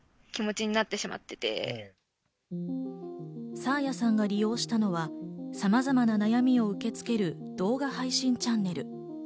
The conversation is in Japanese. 爽彩さんが利用したのはさまざまな悩みを受け付ける動画配信チャンネル。